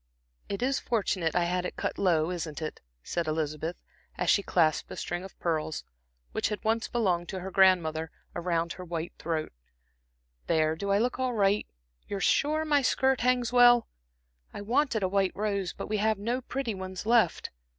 "It is fortunate I had it cut low, isn't it," said Elizabeth, as she clasped a string of pearls, which had once belonged to her grandmother, about her round white throat. "There, do I look all right? You're sure my skirt hangs well? I wanted a white rose, but we have no pretty ones left."